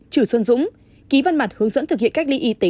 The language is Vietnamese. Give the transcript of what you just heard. trừ xuân dũng ký văn bản hướng dẫn thực hiện cách ly y tế